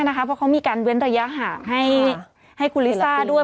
เพราะเขามีการเว้นระยะห่างให้คุณลิซ่าด้วย